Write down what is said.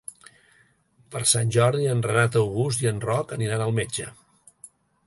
Per Sant Jordi en Renat August i en Roc aniran al metge.